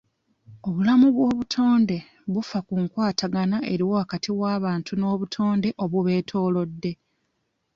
Obulamu bw'obutonde bufa ku nkwatagana eriwo wakati w'abantu n'obutonde obubeetoolodde.